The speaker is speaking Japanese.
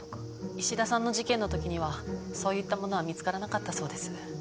衣氏田さんの事件のときにはそういったものは見つからなかったそうです。